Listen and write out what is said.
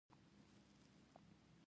ښه مال او دولت یې وموند.